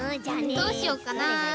どうしようかな？